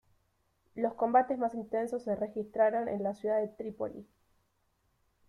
Los combates más intensos se registraron en la ciudad de Trípoli.